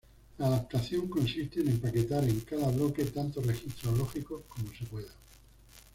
La adaptación consiste en empaquetar en cada bloque tantos registros lógicos como se pueda.